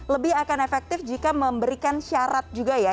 lebih akan efektif jika memberikan syarat juga ya